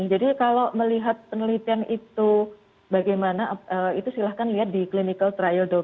jadi kalau melihat penelitian itu bagaimana itu silahkan lihat di clinical trial com